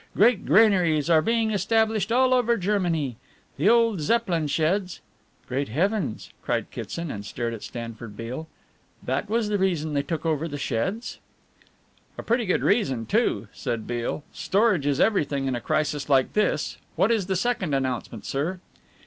Great granaries are being established all over Germany. The old Zeppelin sheds " "Great heavens!" cried Kitson, and stared at Stanford Beale. "That was the reason they took over the sheds?" "A pretty good reason, too," said Beale, "storage is everything in a crisis like this. What is the second announcement, sir?"